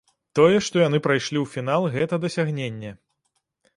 Тое, што яны прайшлі ў фінал гэта дасягненне.